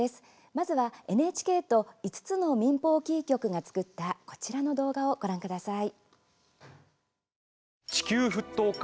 まずは、ＮＨＫと５つの民放キー局が作ったこちらの動画をご覧ください。